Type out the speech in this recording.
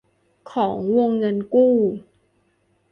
ของวงเงินกู้